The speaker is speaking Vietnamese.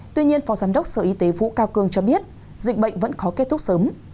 tuy nhiên phó giám đốc sở y tế vũ cao cương cho biết dịch bệnh vẫn khó kết thúc sớm